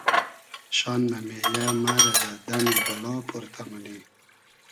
شان مۂ مېیۂ مرۂ دۂ دئمی بئلا پۉرتۂ مونی